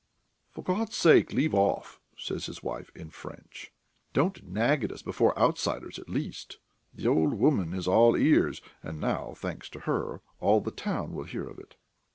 "For God's sake, leave off," says his wife in French. "Don't nag at us before outsiders, at least.... The old woman is all ears; and now, thanks to her, all the town will hear of it."